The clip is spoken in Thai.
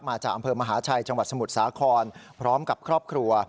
มาจากอำเภอมหาชัยจังหวัดสมุทรสาครพร้อมกับครอบครัว